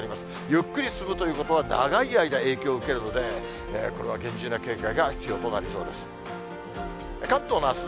ゆっくり進むということは長い間、影響を受けるので、これは厳重な警戒が必要となりそうです。